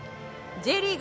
Ｊリーグ。